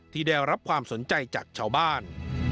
ที่ได้รับความสนใจจากชาวบ้าน